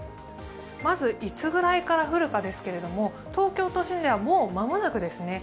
まず、いつぐらいから降るかですけれども、東京都心では、もう間もなくです。